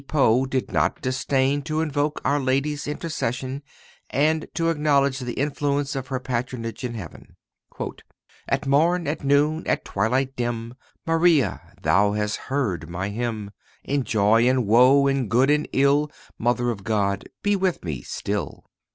Poe did not disdain to invoke Our Lady's intercession, and to acknowledge the influence of her patronage in heaven. "At morn—at noon—at twilight dim— Maria! thou hast heard my hymn; In joy and woe—in good and ill— Mother of God, be with me still!